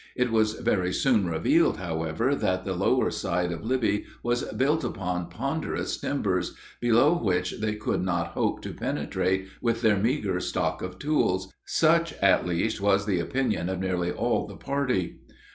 It was very soon revealed, however, that the lower side of Libby was built upon ponderous timbers, below which they could not hope to penetrate with their meager stock of tools such, at least, was the opinion of nearly all the party.